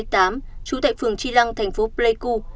trú tại phường chi lăng tp pleiku